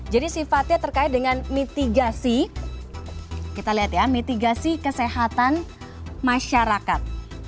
jadi sifatnya terkait dengan mitigasi kita lihat ya mitigasi kesehatan masyarakat